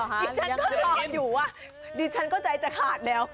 ดิฉันก็รออยู่ดิฉันก็ใจจะขาดแล้ว